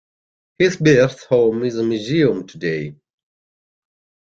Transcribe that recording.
His birth home is a museum today.